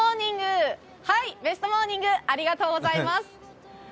ベストモーニング、ありがとうございます。